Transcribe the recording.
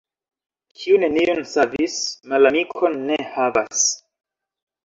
Kiu neniun savis, malamikon ne havas.